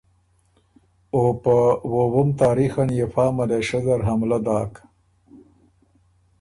او په وووُم تاریخ ان يې فا ملېشۀ زر حملۀ داک